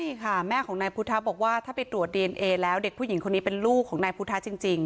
ใช่ค่ะแม่ของนายพุทธะบอกว่าถ้าไปตรวจดีเอนเอแล้วเด็กผู้หญิงคนนี้เป็นลูกของนายพุทธะจริง